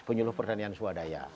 penyuluh pertanian swadaya